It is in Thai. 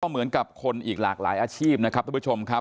เหมือนกับคนอีกหลากหลายอาชีพนะครับท่านผู้ชมครับ